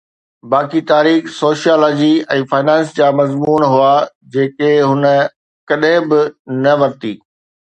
باقي تاريخ، sociology ۽ finance جا مضمون هئا، جيڪي هن ڪڏهن به نه ورتي